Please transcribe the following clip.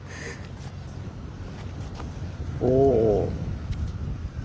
おお。